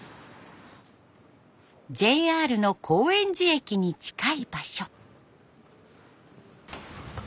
ＪＲの高円寺駅に近い場所。